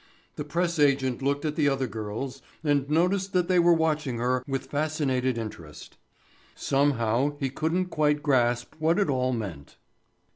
The press agent looked at the other girls and noticed that they were watching her with fascinated interest. Somehow he couldn't quite grasp what it all meant.